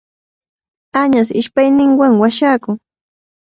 Añas ishpayninwanmi washakun.